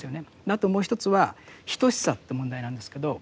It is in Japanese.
あともう一つは等しさって問題なんですけど。